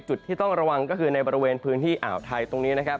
จุดที่ต้องระวังก็คือในบริเวณพื้นที่อ่าวไทยตรงนี้นะครับ